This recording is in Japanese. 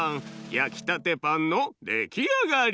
やきたてパンのできあがり！